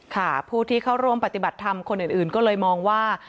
ค่ะผู้ที่เข้าร่วมปฏิบัติธรรมคนอื่นก็เลยมองว่า